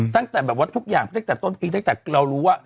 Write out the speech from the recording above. ตั้งแต่แบบว่าทุกอย่างตั้งแต่ต้นปีตั้งแต่เรารู้ว่า